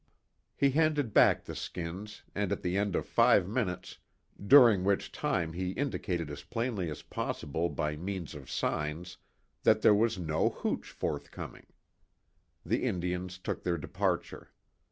He handed back the skins, and at the end of five minutes, during which time he indicated as plainly as possible by means of signs, that there was no hooch forthcoming, the Indians took their departure.